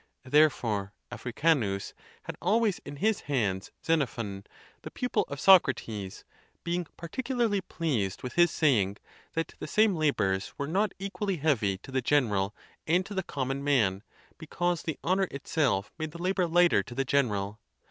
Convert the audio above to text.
Therefore Africanus had always in his hands Xenophon, the pupil of Socrates, being particularly pleased with his saying, that the same labors were not equally heavy to the general and to the common man, because the honor itself made the labor lighter to the general.